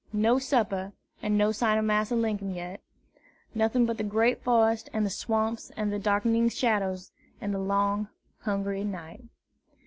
No supper, and no sign of Massa Linkum yet. Nothing but the great forest and the swamps and the darkening shadows and the long, hungry night.